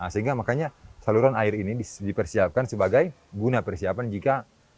sehingga makanya saluran air ini dipersiapkan sebagai guna persiapan jika